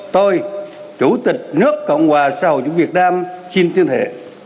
tôi chủ tịch nước cộng hòa xã hội chủ việt nam xin tuyên thệ